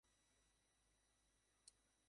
চলচ্চিত্রটি পরিচালনা করেছেন মোস্তাফিজুর রহমান বাবু।